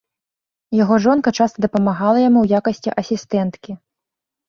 Яго жонка часта дапамагала яму ў якасці асістэнткі.